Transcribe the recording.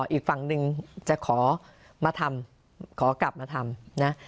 อีกฝั่งหนึ่งจะขอมาทำขอกลับมาทำนะ